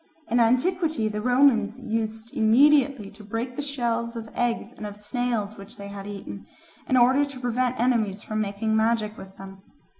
In antiquity the Romans used immediately to break the shells of eggs and of snails which they had eaten, in order to prevent enemies from making magic with them.